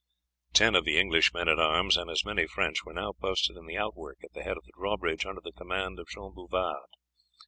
Ten of the English men at arms, and as many French, were now posted in the outwork at the head of the drawbridge under the command of Jean Bouvard.